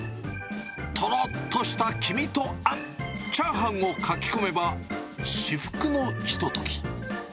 とろっとした黄身とあん、チャーハンをかき込めば、至福のひととき。